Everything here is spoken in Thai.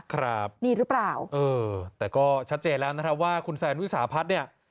ครับนี่หรือเปล่าเออแต่ก็ชัดเจนแล้วนะครับว่าคุณแซนวิสาพัฒน์เนี่ย